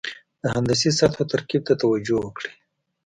د هندسي سطحو ترکیب ته توجه وکړئ.